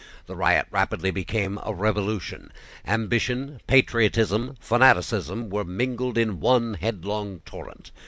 The riot rapidly became a revolution. Ambition, patriotism, fanaticism, were mingled in one headlong torrent.